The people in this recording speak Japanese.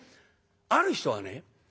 ある人はね。